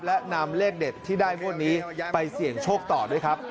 และนำเลขเด็ดที่ได้งวดนี้ไปเสี่ยงโชคต่อด้วยครับ